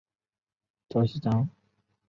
赵锡章。